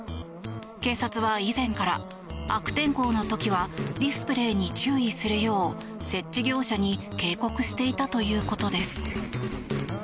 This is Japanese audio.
警察は以前から、悪天候の時はディスプレーに注意するよう設置業者に警告していたということです。